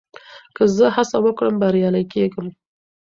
که زه هڅه وکړم، بريالی کېږم.